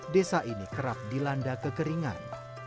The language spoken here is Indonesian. desa ini kerap dilanda kekeringan